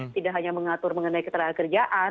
tidak hanya mengatur mengenai keterlaluan kerjaan